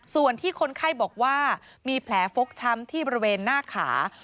ส่วนที่คนไข้บอกว่ามีแผลฟกช้ำที่บริเวณหน้าขา